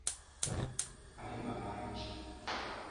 Amayumba mangi.